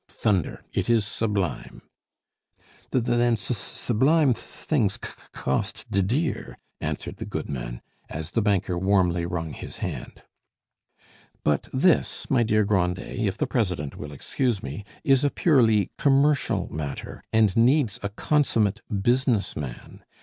Thunder! it is sublime!" "Th then s s sublime th things c c cost d dear," answered the goodman, as the banker warmly wrung his hand. "But this, my dear Grandet, if the president will excuse me, is a purely commercial matter, and needs a consummate business man.